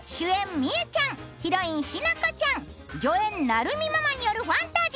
みうちゃんヒロインしなこちゃん助演なるみママによるファンタジ―。